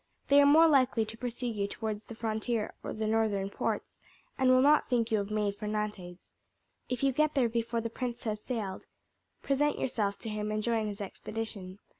They are more likely to pursue you towards the frontier or the northern ports, and will not think you have made for Nantes. If you get there before the prince has sailed, present yourself to him and join his expedition.